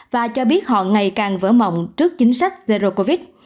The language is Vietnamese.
và cho biết họ ngày càng vỡ mộng trước chính sách zero covid